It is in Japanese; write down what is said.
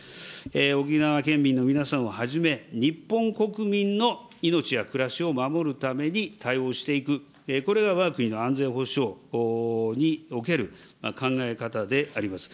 沖縄県民の皆さんをはじめ、日本国民の命や暮らしを守るために対応していく、これがわが国の安全保障における考え方であります。